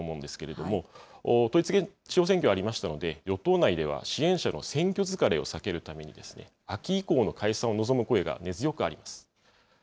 ことし４月には統一地方選挙、あったと思うんですけれども、統一地方選挙ありましたので、与党内では、支援者の選挙疲れを避けるために、秋以降の解散を望む声が根強くあります。